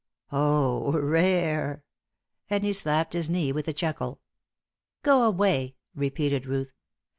Oh, rare." And he slapped his knee with a chuckle. "Go away," repeated Ruth.